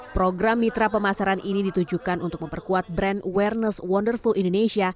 program mitra pemasaran ini ditujukan untuk memperkuat brand awareness wonderful indonesia